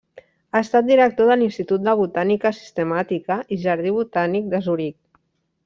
Ha estat Director de l'Institut de Botànica Sistemàtica i Jardí Botànic de Zuric.